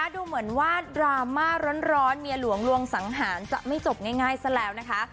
ดูเหมือนว่าดราม่าร้อนเมียหลวงลวงสังหารจะไม่จบง่ายซะแล้วนะคะ